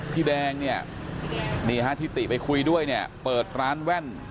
พี่แดงนี่นะครับที่ติไปคุยด้วยเปิดร้านแว่น